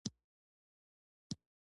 زه لا ټوخلې نه یم.